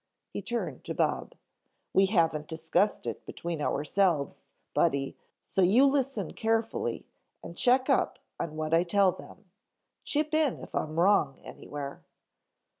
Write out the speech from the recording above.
He turned to Bob. "We haven't discussed it between ourselves, Buddy, so you listen carefully and check up on what I tell them. Chip in if I'm wrong anywhere."